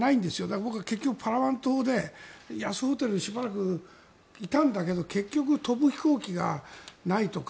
僕は結局パラワン島で安ホテルにしばらくいたんだけど結局、飛ぶ飛行機がないとか。